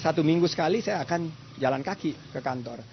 satu minggu sekali saya akan jalan kaki ke kantor